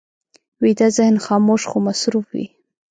ویده ذهن خاموش خو مصروف وي